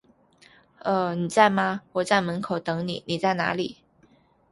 呃…你在吗，我在门口等你，你在哪里？